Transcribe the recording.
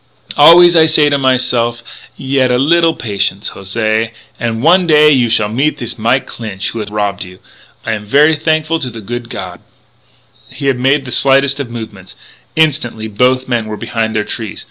Always I say myse'f, yet a little patience, José, an' one day you shall meet thees fellow Clinch, who has rob you.... I am ver' thankful to the good God " He had made the slightest of movements: instantly both men were behind their trees.